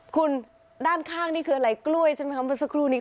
คุณด้านข้างนี่คืออะไรกล้วยใช่ไหมคะเมื่อสักครู่นี้